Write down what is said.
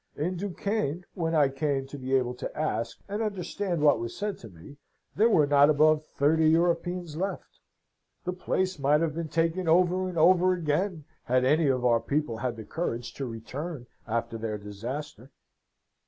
In Duquesne, when I came to be able to ask and understand what was said to me, there were not above thirty Europeans left. The place might have been taken over and over again, had any of our people had the courage to return after their disaster.